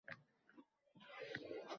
Sevgi g‘unchasi sug‘orishga ehtiyoj sezadi.